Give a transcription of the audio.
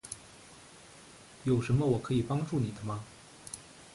有什么我可以帮助你的吗？